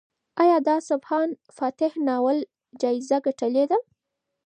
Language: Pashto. ایا د اصفهان فاتح ناول جایزه ګټلې ده؟